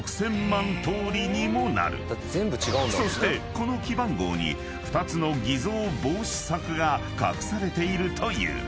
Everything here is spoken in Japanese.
［そしてこの記番号に２つの偽造防止策が隠されているという］